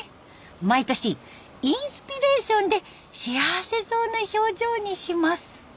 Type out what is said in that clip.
毎年インスピレーションで幸せそうな表情にします。